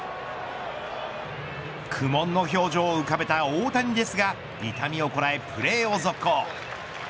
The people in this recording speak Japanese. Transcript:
苦悶の表情を浮かべた大谷ですが痛みをこらえプレーを続行。